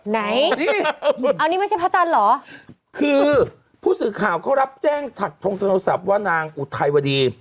ไหนนี่อันนี้ไม่ใช่พระจันทร์เหรอคือผู้สื่อข่าวเขารับแจ้งถักทงโทรศัพท์ว่านางอุทัยวดี